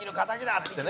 っつってね。